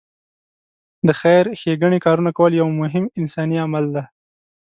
د خېر ښېګڼې کارونه کول یو مهم انساني عمل دی.